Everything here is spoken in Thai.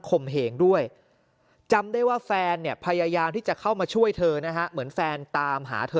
มเหงด้วยจำได้ว่าแฟนเนี่ยพยายามที่จะเข้ามาช่วยเธอนะฮะเหมือนแฟนตามหาเธอ